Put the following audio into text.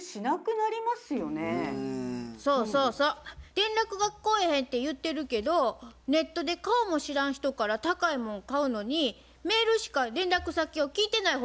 連絡が来えへんって言ってるけどネットで顔も知らん人から高いもん買うのにメールしか連絡先を聞いてない方が悪いんやと思います。